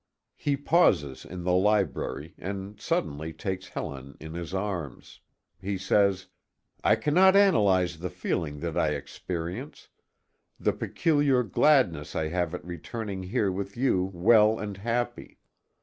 He pauses in the library, and suddenly takes Helen in his arms. He says: "I cannot analyze the feeling that I experience; the peculiar gladness I have at returning here with you well and happy.